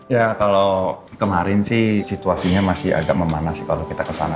ya kalau kemarin sih situasinya masih agak memanas sih kalau kita kesana